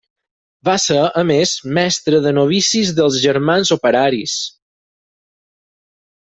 Va ser, a més, mestre de novicis dels germans operaris.